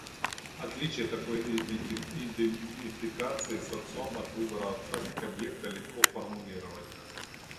Отличие такой идентификации с отцом от выбора отца как объекта легко формулировать.